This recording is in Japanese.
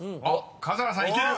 ［数原さんいける？］